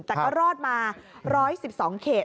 แต่ก็รอดมา๑๑๒เขต